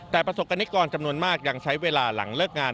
แต่ประสบกรณิกรจำนวนมากยังใช้เวลาหลังเลิกงาน